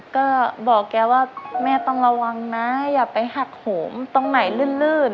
ก็บอกแกว่าแม่ต้องระวังนะอย่าไปหักโหมตรงไหนลื่น